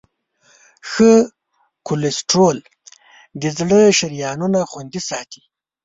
ښه کولیسټرول د زړه شریانونه خوندي ساتي.